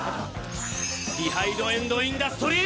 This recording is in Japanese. ディハイドエンドインダストリー！